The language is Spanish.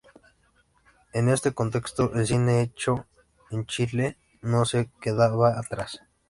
En este contexto, el cine hecho en Chile no se quedaba atrás.